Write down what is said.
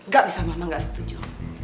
gak bisa mama gak setuju